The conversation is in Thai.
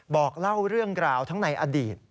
บอกเล่าเรื่องราวทั้งในอดีต